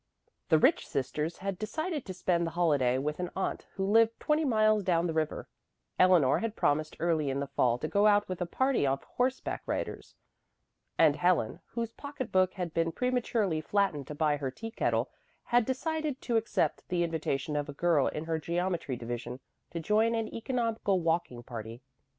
The Rich sisters had decided to spend the holiday with an aunt who lived twenty miles down the river; Eleanor had promised early in the fall to go out with a party of horseback riders; and Helen, whose pocketbook had been prematurely flattened to buy her teakettle, had decided to accept the invitation of a girl in her geometry division to join an economical walking party.